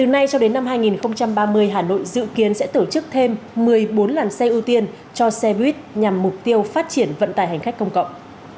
nay cho đến năm hai nghìn ba mươi hà nội dự kiến sẽ tổ chức thêm một mươi bốn làn xe ưu tiên cho xe buýt nhằm mục tiêu phát triển vận tải hành khách công cộng